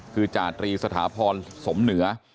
คือจาตรีสถาพรสมเหนือ